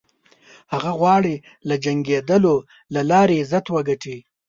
هغه غواړي له جنګېدلو له لارې عزت وګټي.